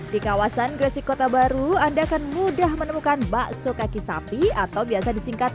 di kawasan gresik kota baru anda akan mudah menemukan bakso kaki sapi atau biasa disingkat